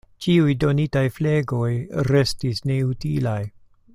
Ĉiuj donitaj flegoj restis neutilaj.